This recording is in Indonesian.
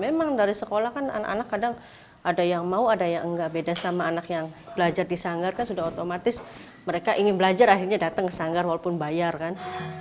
memang dari sekolah kan anak anak kadang ada yang mau ada yang enggak beda sama anak yang belajar di sanggar kan sudah otomatis mereka ingin belajar akhirnya datang ke sanggar walaupun bayar kan